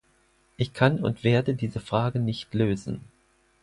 Ich kann und werde diese Frage nicht lösen.